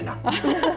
ハハハハ！